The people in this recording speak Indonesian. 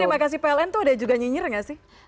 tapi terima kasih pln tuh ada juga nyinyir gak sih